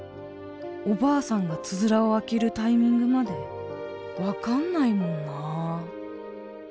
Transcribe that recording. おばあさんがつづらを開けるタイミングまで分かんないもんな。